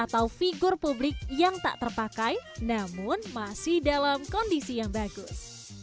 atau figur publik yang tak terpakai namun masih dalam kondisi yang bagus